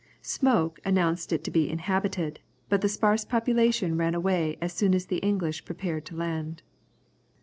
] Smoke announced it to be inhabited, but the sparse population ran away as soon as the English prepared to land.